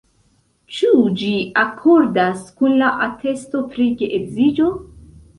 Ĉu ĝi akordas kun la atesto pri geedziĝo?